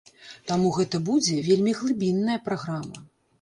Таму гэта будзе вельмі глыбінная праграма.